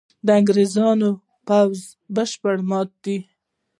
د انګرېزي پوځ بشپړه ماته ده.